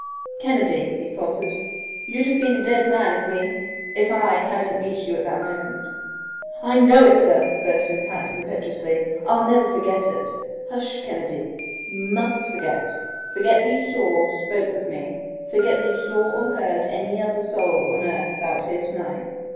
"Kennedy," he faltered, "you'd have been a dead man if we if I hadn't reached you at that moment." "I know it, sir," burst in Pat, impetuously. "I'll never forget it " "Hush, Kennedy, you must forget forget that you saw spoke with me forget that you saw or heard any other soul on earth out here to night.